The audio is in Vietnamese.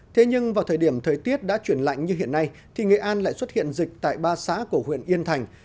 thế nhưng vào thời điểm thời tiết đã chuyển lạnh như hiện nay thì nghệ an lại xuất hiện dịch tại ba xã của huyện yên thành